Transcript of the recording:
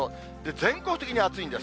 全国的に暑いんです。